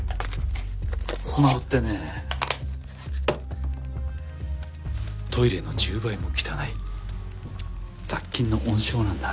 スマホってねトイレの１０倍も汚い雑菌の温床なんだ。